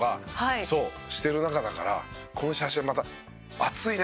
そうしてる仲だからこの写真はまた熱いね。